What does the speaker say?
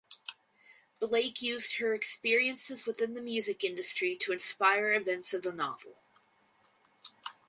Blake used her experiences within the music industry to inspire events of the novel.